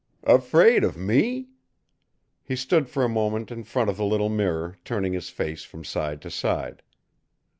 "Afraid of me?" He stood for a moment in front of the little mirror, turning his face from side to side.